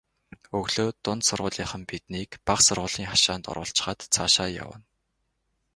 Өглөө дунд сургуулийнхан биднийг бага сургуулийн хашаанд оруулчихаад цаашаа явна.